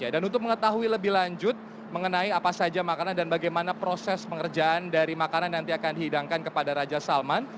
dan untuk mengetahui lebih lanjut mengenai apa saja makanan dan bagaimana proses pengerjaan dari makanan nanti akan dihidangkan kepada raja salman